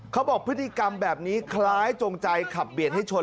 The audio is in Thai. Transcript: เขาบอกพฤติกรรมแบบนี้คล้ายจงใจขับเบียดให้ชน